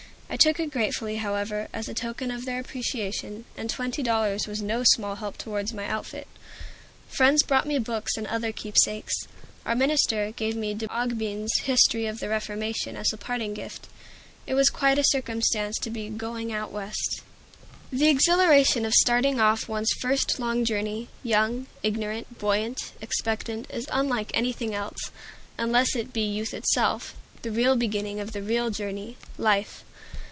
I took it gratefully, however, as a token of their appreciation, and twenty dollars was no small help toward my outfit. Friends brought me books and other keepsakes. Our minister, gave me D'Aubigne's "History of the Reformation" as a parting gift. It was quite a circumstance to be "going out West." The exhilaration of starting off on one's first long journey, young, ignorant, buoyant, expectant, is unlike anything else, unless it be youth itself, the real beginning of the real journey life.